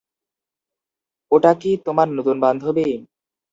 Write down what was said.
ওটা কি তোমার নতুন বান্ধবী?